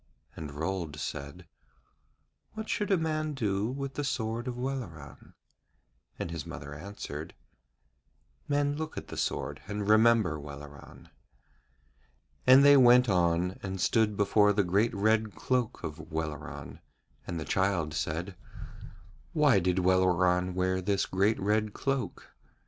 And Rold said: 'What should a man do with the sword of Welleran?' And his mother answered: 'Men look at the sword and remember Welleran.' And they went on and stood before the great red cloak of Welleran, and the child said: 'Why did Welleran wear this great red cloak?'